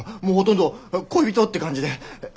もうほとんど恋人って感じで！